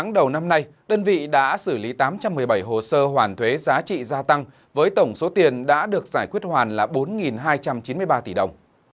đơn vị đã xử lý tám trăm một mươi bảy hồ sơ hoàn thuế giá trị gia tăng với tổng số tiền đã được giải quyết hoàn là bốn hai trăm chín mươi ba tỷ đồng